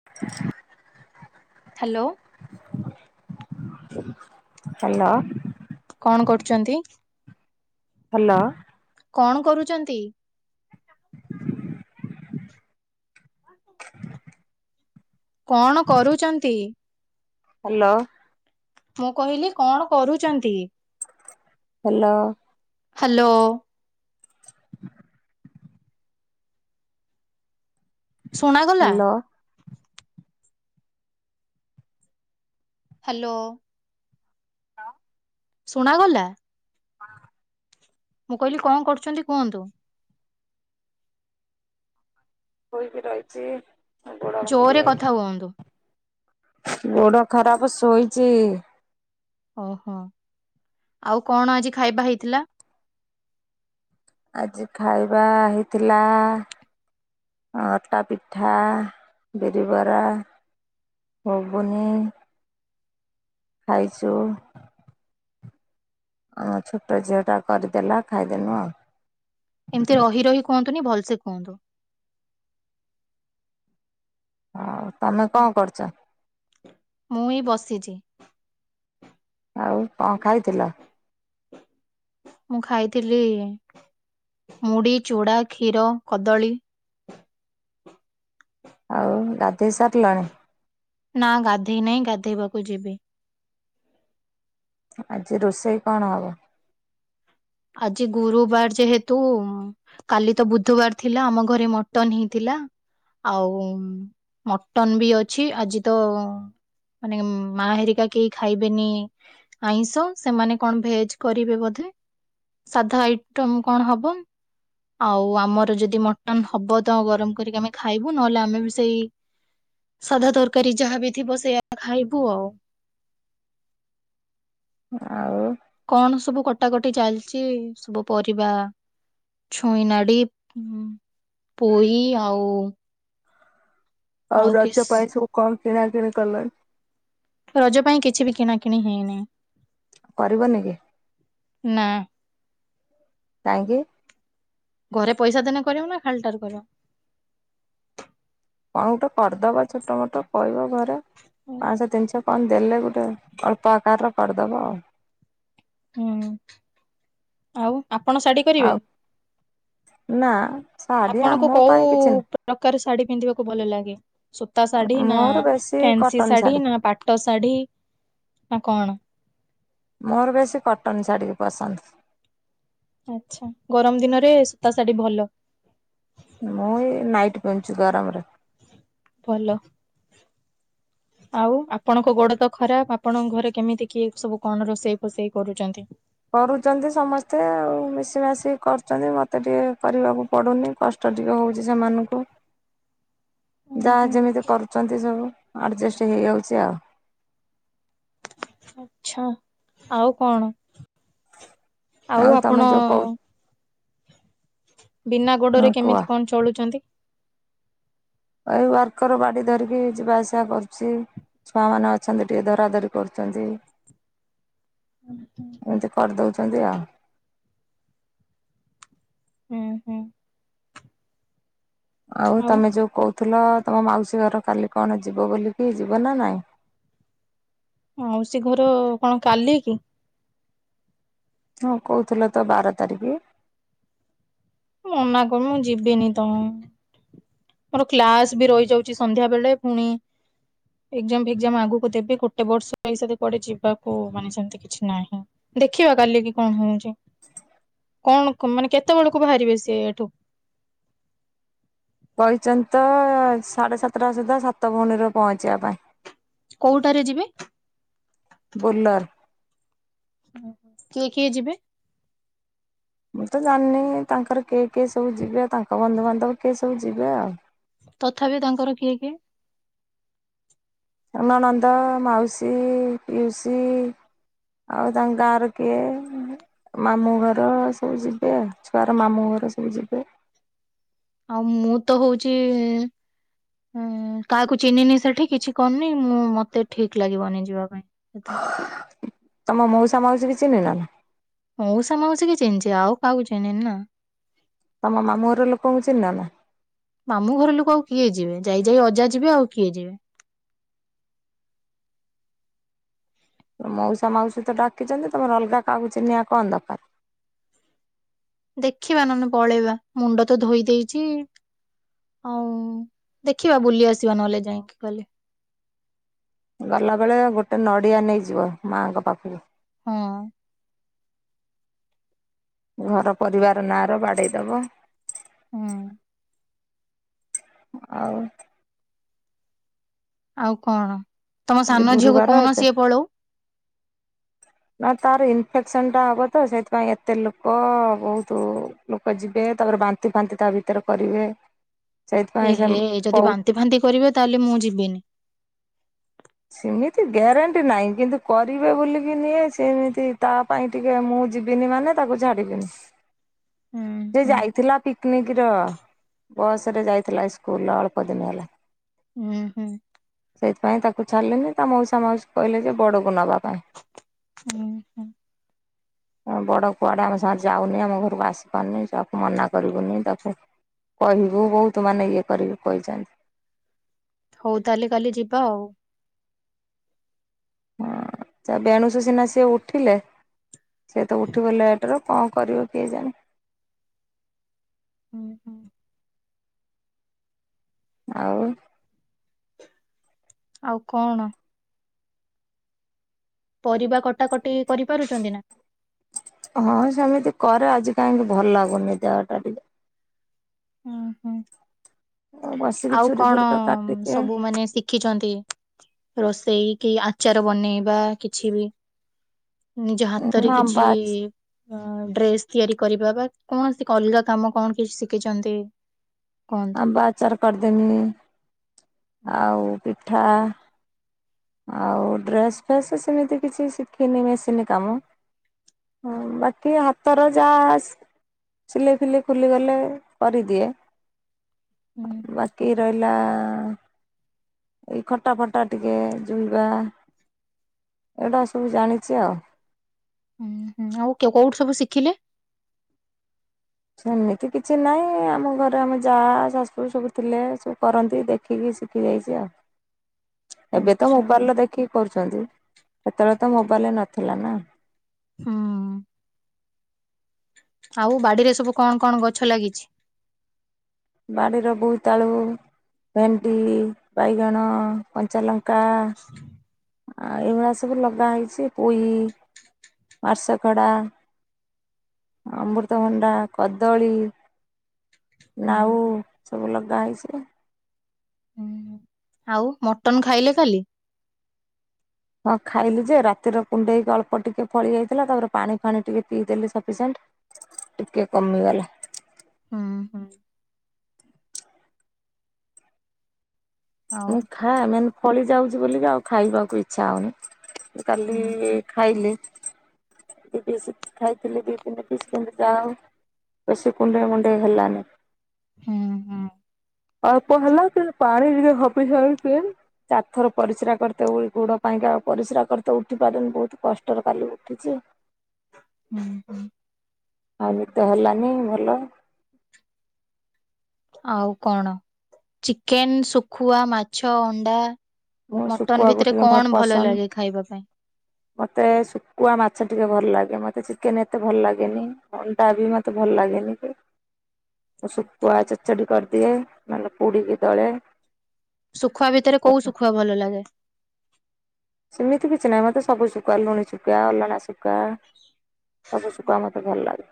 [inaudible] Hello. Hello. କଣ କରୁଛନ୍ତି? Hello. କଣ କରୁଛନ୍ତି? [inaudible] କଣ କରୁଛନ୍ତି? ହ୍ୟାଲୋ। ମୁଁ କହିଲି କଣ କରୁଛନ୍ତି? ହ୍ୟାଲୋ। ହ୍ୟାଲୋ। ଶୁଣାଗଲା? ହାଲୋ। ହ୍ୟାଲୋ। ଶୁଣାଗଲା? ହଁ। ମୁଁ କହିଲି କଣ କରୁଛନ୍ତି କୁହନ୍ତୁ? ହୋଇକି ରହିଛି। ଗୋଡ ଭାଙ୍ଗି ଜୋରରେ କଥା ଯାଇଛି। ହୁଅନ୍ତୁ। ଗୋଡ ଖରାପ ଶୋଇଛି। ଓହୋ ଆଉ କଣ ଆଜି ଖାଇବା ହେଇଥିଲା? ଆଜି ଖାଇବା ହେଇଥିଲା ଅଟା ପିଠା ବିରି ବରା ଭୁଗୁନି ଖାଇଛୁ। ହଁ ଛୋଟ ଝିଅ ଟା କରିଦେଲା ଖାଇଦେନୁ ଆଉ ଏମିତି ରହି ରହି କୁହନ୍ତୁନି ଭଲ ସେ କୁହନ୍ତୁ। ହଉ ତମେ କଣ କରୁଛ? ମୁଁ ଏଇଁ ବସିଛି। ଆଉ କଣ ଖାଇଥିଲ? ମୁଁ ଖାଇଥିଲି ମୁଢି ଚୁଡା କ୍ଷୀର କଦଳୀ ଆଉ ଗାଧୋଇ ସାରିଲାଣି? ନା ଗାଧେଇ ନାହିଁ ଗାଧୋଇବାକୁ ଯିବି ଆଜି ରୋଷେଇ କଣ ହବ? ଆଜି ଗୁରୁବାର ଯେହେତୁ କାଲି ତ ବୁଧବାର ଥିଲା ଆମ ଘରେ ମଟନ ହେଇଥିଲା। ଆଉ ମଟନ ବି ଅଛି ଆଜି ତ ମାନେ ମା ହେରିକା କେହି ଖାଇବେନି ଆଇଁଷ ସେମାନେ କଣ ଭେଜ କରିବେ ବୋଧେ ସାଧା ଆଇଟମ୍ କଣ ହବ? ଆଉ ଆମର ଯଦି ମଟନ ହବ ତ ଗରମ କରିକି ଆମେ ଖାଇବୁ ନହେଲେ ଆମେ ବି ସେଇ ସାଧା ତରକାରୀ ଯାହା ବିି ଥିବ ସେଇୟା ଖାଇବୁ ଆଉ। ଆଉ କଣ ସବୁ କଟାକଟି ଚାଲିଛି ସବୁ ପରିବା? ଛୁଇଁ ନାଡି, ପୋଇ ଆଉ ଆଉ କିସ [inaudible] [inaudible] [inaudible] [inaudible] [inaudible] [inaudible] [inaudible] [inaudible] ଆଉ [inaudible] [inaudible] ଆମ ପାଇଁ କିଛି [inaudible] ନାହିଁ ମୋର ବେଶୀ କଟନ ଶାଢୀ [inaudible] [inaudible] [inaudible] [inaudible] [inaudible] [inaudible] [inaudible] [inaudible] [inaudible] [inaudible] ଉଁ ହୁଁ [inaudible] ଆଉ ତମେ ଯୋଉ କହୁ [inaudible] ହଁ କୁହ [inaudible] [inaudible] [inaudible] [inaudible] [inaudible] [inaudible] ଆଉ [inaudible] [inaudible] [inaudible] [inaudible] [inaudible] [inaudible] [inaudible] [inaudible] [inaudible] [inaudible] [inaudible] [inaudible] [inaudible] [inaudible] ଆଉ ତାଙ୍କ ଗାଁ ର କିଏ ମାମୁଁ ଘର ସବୁ ଯିବେ ଛୁଆର ମାମୁଁ ଘର ସବୁ ଯିବେ। ଆଉ ମୁଁ ତ ହଉଛି ହଁ କାହାକୁ ଚିହ୍ନିନି ସେଠି କିଛି କରିନି ମୁଁ ମତେ ଠିକ ଲାଗିବନି ଯିବା ପାଇଁ। ତୁମ ମଉସା ମାଉସୀ କି ଚି଼ହ୍ନିନ? ମଉସା ମାଉସୀ କି ଚିହ୍ନିଛି ଆଉ କାହାକୁ ଚିହ୍ନିନି ଆଉ। ତମ ମାମୁଁର ଲୋକଙ୍କୁ ଚିହ୍ନ ନା? ମାମୁଁ ଘର ଲୋକ ଆଉ କିଏ ଯିବେ? ଯାଇ ଯାଇ ଅଜା ଯିବେ ଆଉ କିଏ ଯିବେ? ମଉସା ମାଉସୀ ତ ଡାକିଛନ୍ତି ତମର ଅଲଗା କାହାକୁ ଚିନିବା କଣ ଦରକାର? ଦେଖିବା ନହେଲେ ପଳେଇବା ମୁଣ୍ଡ ତ ଧୋଇ ଦେଇଛି। ହଉ ଦେଖିବା ବୁଲି ଆସିବା ନହେଲେ ଯାଇକି କଲି। ଗଲା ବେଳେ ଗୋଟେ ନଡିଆ ନେଇଯିବ ମାଆଙ୍କ ପାଖକୁ। ହଁ। ଘର ପରିବାର ନାଁ ର ବାଡେଇ ଦବ। ହଁ। ଆଉ। ଆଉ କଣ ତମ ଆଜି ସାନ ଝିଅକୁ ଗୁରୁବାର କହୁନ ଏତେ ସିଏ ପଳଉ? ନା ତାର ଇନଫେକ୍ସନ୍ଟା ହବ ତ ସେଇଥିପାଇଁ ଏତେ ଲୋକ ବହୁତ ଲୋକ ଯିବେ ତାପରେ ବାନ୍ତି ଫାନ୍ତି ତା ଭିତରେ କରିବେ। ଏ ସେଇଥିପାଇଁ ସେ ହେ ଯଦି କହୁ ବାନ୍ତି ଫାନ୍ତି କରିବେ ତାହେଲେ ମୁଁ ଯିବିନି। ସେମିତି ଗ୍ୟାରେଣ୍ଟି ନାହିଁ କିନ୍ତୁ କରିବେ ବୋଲିକି ନିଏ ସେମିତି ତା ପାଇଁ ଟିକେ ମୁଁ ଯିବିନି ମାନେ ତାକୁ ଛାଡ଼ିବିନି। [inaudible] ଁ ସେ ଯାଇଥିଲା ପିକନିକ ର ବସ ରେ ଯାଇଥିଲା ସ୍କୁଲ ଅଳ୍ପ ଦିନ ହେଲା। ହୁଁ ହୁଁ। ସେଇଥିପାଇଁ ତାକୁ ଛାଡ଼ିଲିନି ତା ମଉସା ମାଉସୀ କହିଲେ ଯେ ବଡକୁ ନବା ପାଇଁ। [inaudible] ବଡ କୁଆଡେ ଆମ ସାଙ୍ଗରେ ଯାଉନି ଆମ ଘରକୁ ଆସି ପାରୁନି ତାକୁ ମନା କରିବୁନି ତାକୁ କହିବୁ ବହୁତ ମାନେ ଇଏ କରିକି କହିଛନ୍ତି। ହଉ ତାହେଲେ କାଲି ଯିବା ଆଉ। ହଁ ତା ବେଣୁସ ସିନା ସିଏ ଉଠିଲେ। ସେଏ ତ ଉଠିବ ଲେଟ୍ ରେ କରିବ କିଏ ଜାଣେ? ହୁଁ ହୁଁ। ଆଉ। ଆଉ କଣ? ପରିବା କଟାକଟି କରିପାରୁଛନ୍ତି ନା। ହଁ ସେମିତି କରେ ଆଜି କାହିଁକି ଭଲ ଲାଗୁନି ଦେହ ଟା ଟିକେ ହୁଁ ହୁଁ ବସିକି ଆଉ ଛୁରୀ କଣ ଫୁରୀ ର କାଟିକି ସବୁ ମାନେ ଶି ଶଖିଛନ୍ତି ରୋଷେଇ କି ଆଚାର ବନେଇବା କିଛି ବି ନିଜ ମୁଁ ହାତରେ ଆମ୍ବ କିଛି ଡ୍ରେସ୍ ତିଆରି କରିବା ବା କୌଣସି ଅଲଗା କାମ କଣ କିଛି ଶିଖ ଛନ୍ତି କଣ? ବାଚାର କରିଦମି ଆଉ ପିଠା। ଆଉ ଡ୍ରେସ ଫେସ୍ ସେମିତି କିଛି ଶିଖିନି ମେସିନ କାମ ହଁ ବାକି ହାତର ଯାହା ସ ସିଲେଇ ଫିଲେଇ ଖୋଲିଗଲେ କରିଦିଏ। ହୁଁ ବାକି ରହିଲା ଏଇ କଟା ଫଟା ଟିକେ ଚୁଇଁବା ଏଇଡା ସବୁ ଜାଣିଚି ଆଉ। ହୁଁ ହୁଁ ଆଉ କେ କଉଠି ସବୁ ଶିଖିଲେ? ସେମିତି କିଛି ନାଇଁ ଆମ ଘରେ ଆମ ଯାହା ଶାସୁ ସବୁ ଥିଲେ ସବୁ କରନ୍ତି ଦେଖ ଶିଖିକି ଶିଖି ଯାଇଚି ଆଉ। ଏବେ ତ ଆଚ୍ଛା ମୋବାଇଲ ର ଦେଖିକି କରୁଚନ୍ତି ସେତେବେଳେ ତ ମୋବାଇଲ ନଥିଲା ନା। ହୁଁ। ଆଉ ବାଡିରେ ସବୁ କଣ କଣ ଗଛ ଲାଗିଛି? ବାଡ଼ିର ବୋଇତାଳୁ ଭେଣ୍ଡି ବାଇଗଣ କଞ୍ଚାଲଙ୍କା ହ [unintelligible] ଆଉ ଏଇଭଳିଆ ସବୁ ଲଗା ହେଇଚି ପୋଇ ମାର୍ସ ଖଡା ଅମୃତ ଭଣ୍ଡା କଦଳୀ। ହୁଁ ନାଉ ହୁଁ ସବୁ ଲଗା ହେଇଚି ସେରା। ହୁଁ ହୁଁ ଆଉ ମଟନ ଖାଇଲେ କାଲି? ହଁ ଖାଇଲି ଯେ ରାତିରେ କୁଣ୍ଡେଇକି ଅଳ୍ପ ଟିକେ ଫଳି ଯାଇଥିଲା ତାପରେ ପାଣି ଫାଣି ଟିକେ ପିଇଦେଲି ସଫିସିଣ୍ଟ। ଟିକେ କମି ଗଲା। ହୁଁ ହୁଁ। ଆଉ ମୁଁ ଖାଏ ମାନେ ଫଳି ଯାଉଚି ବୋଲି ଆଉ ଖାଇବାକୁ ଇଚ୍ଛା ହଉନି ମୁଁ କାଲି ହୁଁ ହୁଁ ଖାଇଲି ଦି ପିସ୍ ଖାଇଥିଲି ଦି ଦିନ ପିସ୍ କିନ୍ତୁ ତା ବେଶୀ କୁଣ୍ଡେଇ ମୁଣ୍ଡେଇ ହେଲାନି। ହୁଁ। ହୁଁ ଅଳ୍ପ ହେଲା କିନ୍ତୁ ପାଣି ଟିକେ ଶପିଂସେଣ୍ଡ ପିଲି ଚାରି ଥର ପରିସ୍ରା କରିତେ ଓଇ ଗୋଡ ପାଇଁକା ଆଉ ପରିସ୍ରା କରିତେ ଉଠି ପାରୁନି ବହୁତ କଷ୍ଟର କାଲି ଉଠିଛି। ହୁଁ ହୁଁ। ଆଉ ନିଦ ହେଲାନି ଭଲ ଆଉ କଣ ଚିକେନ ଶୁଖୁଆ ମାଛ ଅଣ୍ଡା ମୁଁ ମଟନ ଶୁଖୁଆକୁ ଭିତରେ ଟିକେ ମୋର କଣ ଭଲ ପସନ୍ଦ। ଲାଗେ ଖାଇବା ପାଇଁ? ମତେ ଶୁଖୁଆ ମାଛ ଟିକେ ଭଲ ଲାଗେ ମତେ ଚିକେନ ଏତେ ଭଲ ଲାଗେନି। ଅଣ୍ଡା ବି ମତେ ଭଲ ଲାଗେନି କି। [inaudible] ତ ଶୁଖୁଆ ଆଚ୍ଛା। ଚଡ଼ଚଡି କରିଦିଏ ନହେଲେ ପୁଡିକି ଦଳେ। ଶୁଖୁଆ ଭିତରେ କୋଉ ଶୁଖୁଆ ଭଲ ଲାଗେ? ସେମିତି କିଛି ନାହିଁ ମତେ ସବୁ ଶୁଖୁଆ ଲୁଣି ଶୁଖୁଆ ଅଲଣା ଶୁକ କୁଆ ସବୁ ଶୁକୁଆ ମତେ ଭଲ ଲାଗେ।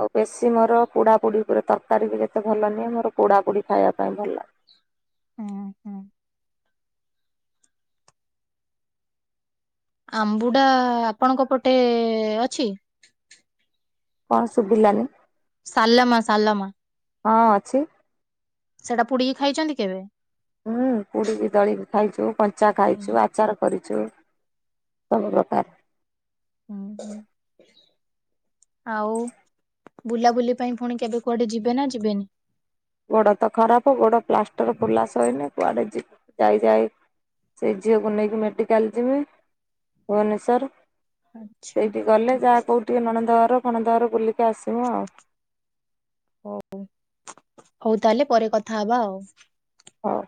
ଆଉ ବେଶୀ ମୋର ପୋଡା ପୋଡି। ମୋର ତରକାରୀ ଯେତେ ଭଲ ନୁହେ ମୋର ପୋଡା ପୋଡି ଖାଇବା ପାଇଁ ଭଲ। ଉ ହୁଁ। ଆମ୍ବୁଡା ଆପଣଙ୍କ ପଟେ ଅଛି? କଣ ଶୁଭିଲାନି। ସାଲମ ସାଲମ। ହଁ ଅଛି। ସେଟା ପୁଡିକି ଖାଇଚନ୍ତି କେବେ? ହୁଁ ପୁଡିକି ଦଳିକି ଖାଇଛୁ କଞ୍ଚା ହୁଁ। ଖାଇଛୁ ଆ ଆଚାର କରିଛୁ ସବୁ ପ୍ରକାର। ହୁଁ ହୁଁ ଆଉ ବୁଲାବୁଲି ପାଇଁ ପୁଣି କେବେ କୁଆଡେ ଯିବେ ନା ଯିବେନି? ଗୋଡ଼ ତ ଖରାପ ଗୋଡ ପ୍ଲାଷ୍ଟର ଖୋଲାସଇଲେ କୁଆଡେ ଯିବି ଯାଇ ଯାଇ ସେ ଝିଅକୁ ନେଇକି ମେଡିକାଲ ଯିବି ଭୁବନେଶ୍ଵର। ଆଚ୍ଛା। ସେଇଠି ଗଲେ ଯାହା କୋଉ ଟିକେ ନଣନ୍ଦଘର ଫଣନ୍ଦଘର ବୁଲିକି ଆସିମୁଁ ଆଉ। ହଉ ତାହେଲେ ପରେ କଥା ହବା ଆଉ। ହଉ।